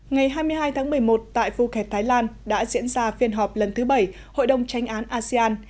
ngày hai mươi hai tháng một mươi một tại phuket thái lan đã diễn ra phiên họp lần thứ bảy hội đồng tranh án asean